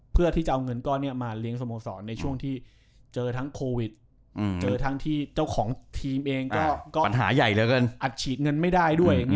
เพื่อที่จะเอาเงินมาเลี้ยงสโมสรในช่วงที่เจอทั้งโควิดเจอทั้งที่เจ้าของทีมเองก็อัดฉีดเงินไม่ได้ด้วย